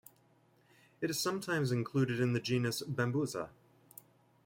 It is sometimes included in the genus "Bambusa".